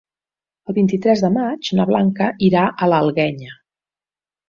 El vint-i-tres de maig na Blanca irà a l'Alguenya.